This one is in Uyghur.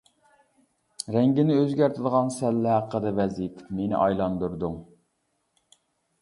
رەڭگىنى ئۆزگەرتىدىغان سەللە ھەققىدە ۋەز ئېيتىپ، مېنى ئايلاندۇردۇڭ.